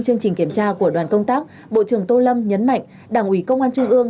chương trình kiểm tra của đoàn công tác bộ trưởng tô lâm nhấn mạnh đảng ủy công an trung ương